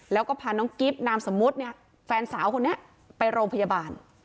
แล้วก็พาน้องกิ๊บนามสมมุติเนี่ยแฟนสาวคนนี้ไปโรงพยาบาล